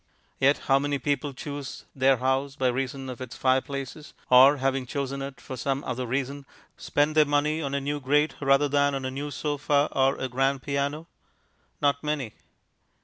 Yet how many people choose their house by reason of its fireplaces, or, having chosen it for some other reason, spend their money on a new grate rather than on a new sofa or a grand piano? Not many.